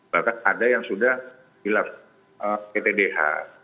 bahkan ada yang sudah dilakukan ptdh